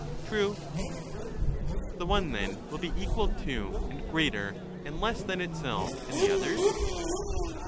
True. The one, then, will be equal to and greater and less than itself and the others